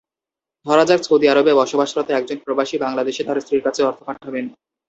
ধরা যাক, সৌদি আরবে বসবাসরত একজন প্রবাসী বাংলাদেশে তাঁর স্ত্রীর কাছে অর্থ পাঠাবেন।